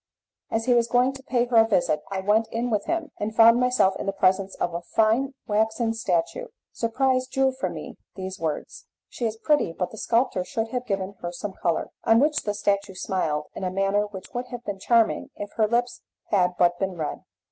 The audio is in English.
As he was going to pay her a visit I went in with him, and found myself in the presence of a fine waxen statue. Surprise drew from me these words: "She is pretty, but the sculptor should give her some colour." On which the statue smiled in a manner which would have been charming if her lips had but been red.